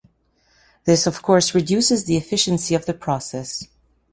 This, of course, reduces the efficiency of the process.